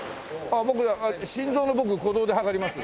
僕心臓の鼓動で計ります。